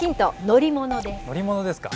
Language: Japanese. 乗り物ですか？